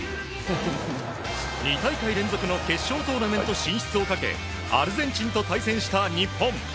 ２大会連続の決勝トーナメント進出をかけアルゼンチンと対戦した日本。